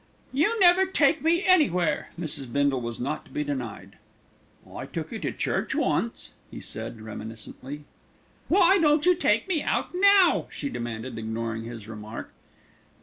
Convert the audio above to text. "You never take me anywhere." Mrs. Bindle was not to be denied. "I took you to church once," he said reminiscently. "Why don't you take me out now?" she demanded, ignoring his remark.